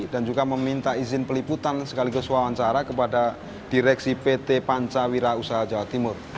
kami juga meminta izin peliputan sekaligus wawancara kepada direksi pt pancawira usaha jatim